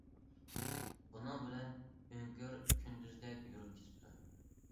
بۇنىڭ بىلەن ئۆڭكۈر كۈندۈزدەك يورۇپ كېتىپتۇ.